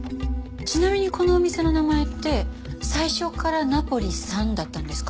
ちなみにこのお店の名前って最初からナポリさんだったんですか？